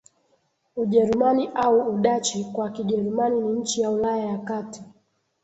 Ujerumani au Udachi kwa Kijerumani ni nchi ya Ulaya ya kati